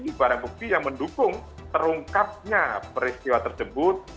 ibarat bukti yang mendukung terungkapnya peristiwa tersebut